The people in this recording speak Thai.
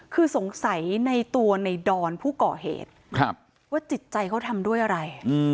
คือสงสัยในตัวในดอนผู้ก่อเหตุว่าจิตใจเขาทำด้วยอะไร